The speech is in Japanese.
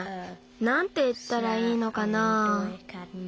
なんていったらいいのかな。